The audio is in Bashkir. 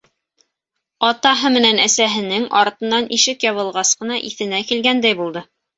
Атаһы менән әсәһенең артынан ишек ябылғас ҡына иҫенә килгәндәй булды.